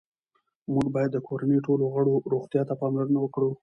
موږ باید د کورنۍ ټولو غړو روغتیا ته پاملرنه وکړو